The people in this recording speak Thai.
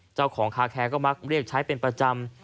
เจ้าของคาแคร์ก็มักเรียกใช้เป็นประจำ